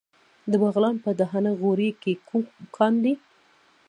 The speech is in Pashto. د بغلان په دهنه غوري کې کوم کان دی؟